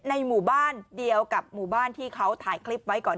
ในหมู่บ้านเดียวกับหมู่บ้านที่เขาถ่ายคลิปไว้ก่อน